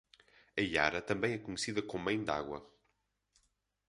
A iara também é conhecida como mãe d'água